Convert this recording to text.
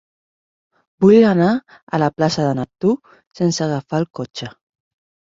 Vull anar a la plaça de Neptú sense agafar el cotxe.